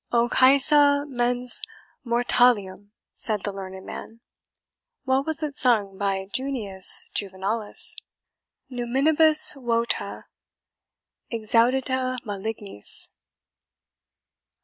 "O CAECA MENS MORTALIUM!" said the learned man "well was it sung by Junius Juvenalis, 'NUMINIBUS VOTA EXAUDITA MALIGNIS!'"